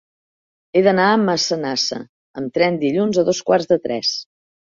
He d'anar a Massanassa amb tren dilluns a dos quarts de tres.